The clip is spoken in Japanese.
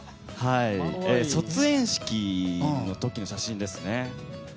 卒園式の時の写真ですね。